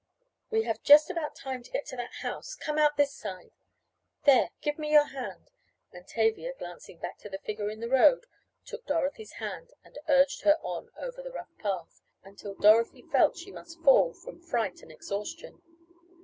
We have just about time to get to that house. Come out this side. There, give me your hand," and Tavia, glancing back to the figure in the road, took Dorothy's hand and urged her on over the rough path, until Dorothy felt she must fall from fright and exhaustion.